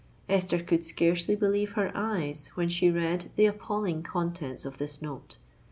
Esther could scarcely believe her eyes when she read the appalling contents of this note.